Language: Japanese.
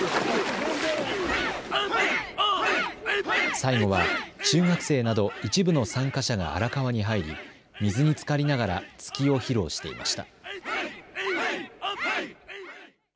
最後は、中学生など、一部の参加者が荒川に入り、水につかりながら突きを披露していました。